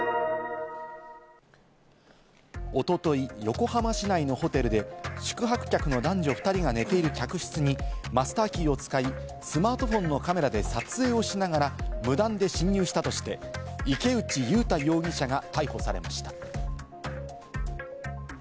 おととい、横浜市内のホテルで宿泊客の男女２人が寝ている客室にマスターキーを使い、スマートフォンのカメラで撮影をしながら無断で侵入したとして、池内悠太容疑者が逮捕されました。